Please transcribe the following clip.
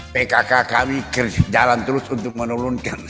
pkk kami jalan terus untuk menurunkan